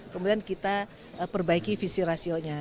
kemudian kita perbaiki visi rasionya